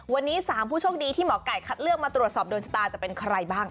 วันนี้๓ผู้โชคดีที่หมอไก่คัดเลือกมาตรวจสอบโดนชะตาจะเป็นใครบ้าง